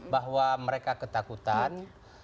bahwa mereka ketakutan